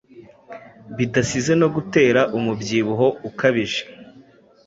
bidasize no kugutera umubyibuhoukabije